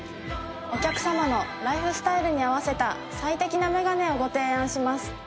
お客様のライフスタイルに合わせた最適なメガネをご提案します。